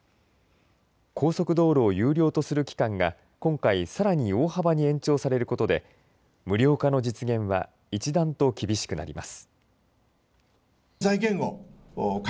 高速道路を有料とする期間が今回さらに大幅に延長されることで無料化の実現は一段と厳しくなります。